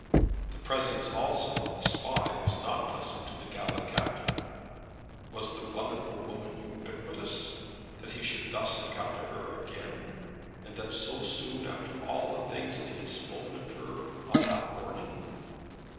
The presence also of the Spy was not pleasant to the gallant captain. Was the wonderful woman ubiquitous, that he should thus encounter her again, and that so soon after all the things that he had spoken of her on this morning?